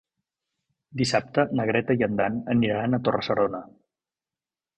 Dissabte na Greta i en Dan aniran a Torre-serona.